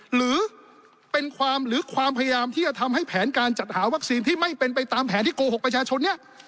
หรือเป็นความหรือความพยายามที่จะทำให้แผนการจัดหาวัคซีนที่ไม่เป็นไปตามแผนที่โกหกประชาชนเนี่ย